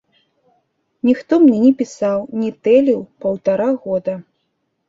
Ніхто мне не пісаў, не тэліў паўтара года.